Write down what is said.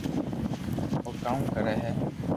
او ڪاو ڪري ھي